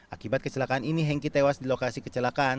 akibat kecelakaan ini hengki tewas di lokasi kecelakaan